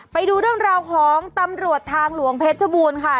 ไปดูเรื่องราวของตำรวจทางหลวงเพชรบูรณ์ค่ะ